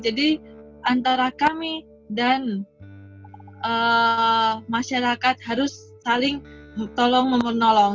jadi antara kami dan masyarakat harus saling tolong menolong